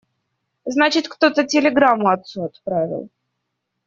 Значит, кто-то телеграмму отцу отправил.